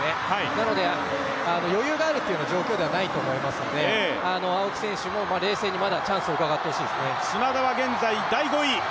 なので、余裕があるというような状況ではないと思いますので青木選手も冷静にまだチャンスをうかがってほしいですね。